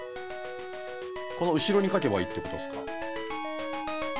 この後ろに書けばいいってことすか？